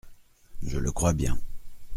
Je le crois bien.